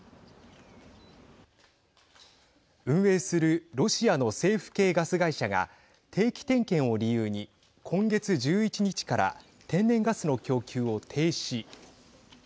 運営するロシアの政府系ガス会社が定期点検を理由に今月１１日から天然ガスの供給を停止。